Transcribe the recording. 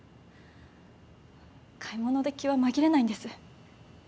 買い物で気は紛れないんです。